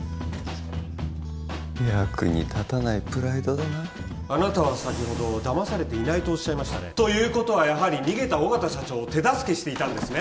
役に立たないプライドだなあなたは先ほど騙されていないとおっしゃいましたねということはやはり逃げた緒方社長を手助けしていたんですね？